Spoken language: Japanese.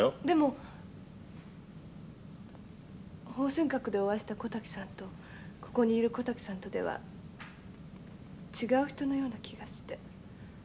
でも芳扇閣でお会いした小滝さんとここにいる小滝さんとでは違う人のような気がして。